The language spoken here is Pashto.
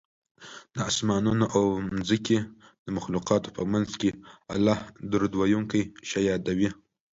د اسمانونو او ځمکې د مخلوقاتو په منځ کې الله درود ویونکی ښه یادوي